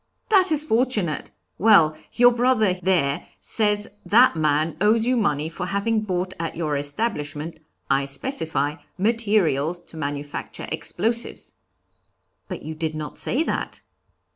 'That is fortunate. Well, your brother there says that man owes you money for having bought at your establishment I specify materials to manufacture explosives.' 'But you did not say that.'